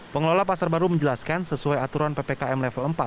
pengelola pasar baru menjelaskan sesuai aturan ppkm level empat